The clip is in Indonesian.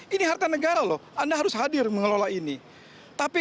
ini harta negara loh anda harus hadir mengelola ini